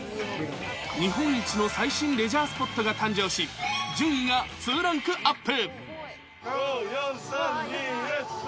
日本一の最新レジャースポットが誕生し、順位が２ランクアップ。